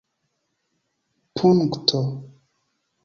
Punkto.